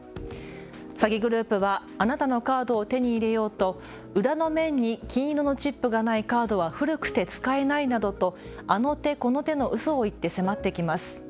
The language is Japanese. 詐欺グループはあなたのカードを手に入れようと裏の面に金色のチップがないカードは古くて使えないなどとあの手この手のうそを言って迫ってきます。